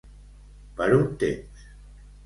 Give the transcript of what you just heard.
Per un temps.